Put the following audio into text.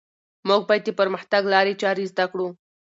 موږ باید د پرمختګ لارې چارې زده کړو.